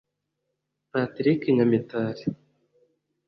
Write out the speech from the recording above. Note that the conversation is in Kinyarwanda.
Patrick Nyamitari